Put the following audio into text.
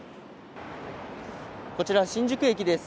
こちら新宿駅です。